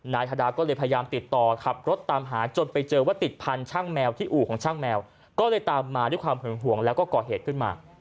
นายธดาก็เลยพยายามติดต่อขับรถตามหาจนไปเจอว่าติดพันธ์ช่างแมวที่อู่ของช่างแมวก็เลยตามมาด้วยความหึงห่วงแล้วก็ก่อเหตุขึ้นมา